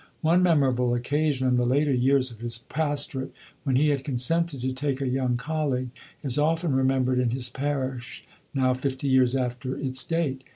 One memorable occasion, in the later years of his pastorate, when he had consented to take a young colleague, is often remembered in his parish, now fifty years after its date.